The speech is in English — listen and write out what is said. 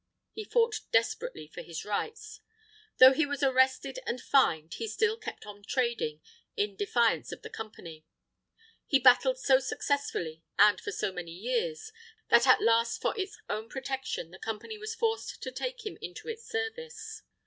He fought desperately for his rights. Though he was arrested and fined he still kept on trading, in defiance of the Company. He battled so successfully and for so many years, that at last for its own protection, the Company was forced to take him into its service.